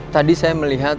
tadi saya melihat